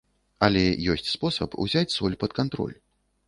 Але ёсць спосаб узяць соль пад кантроль.